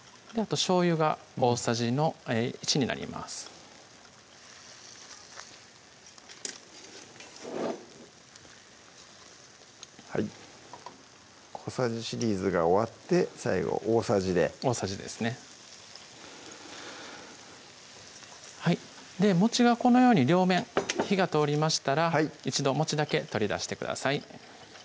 しょうゆが大さじの１になりますはい小さじシリーズが終わって最後大さじで大さじですねがこのように両面火が通りましたら一度だけ取り出してください